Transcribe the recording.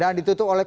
dan ditutup oleh